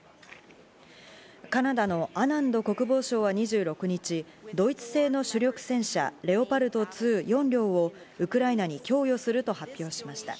カナダのアナンド国防相は２６日、ドイツ製の主力戦車レオパルト２、４両をウクライナに供与すると発表しました。